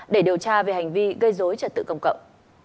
để điều tra về hành vi gây dối trật tự công cộng